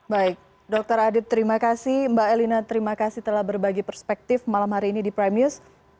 baik dr adit terima kasih mbak elina terima kasih telah berbagi perspektif malam hari ini di prime news